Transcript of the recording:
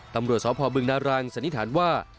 ตำรวจสพบึงนารังสันนิษฐานว่า